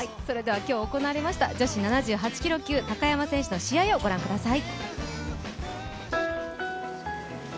今日行われました女子７８キロ級高山選手の試合をご覧ください。